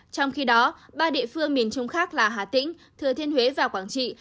trong khi đó ba địa phương miền trung khác là hà tĩnh thừa thiên huế và quảng trị